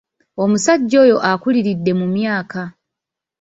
Omusajja oyo akuliridde mu myaka.